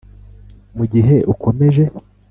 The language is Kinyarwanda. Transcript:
mugihe ukomeje;